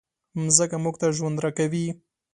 مځکه موږ ته ژوند راکوي.